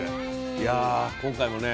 いや今回もね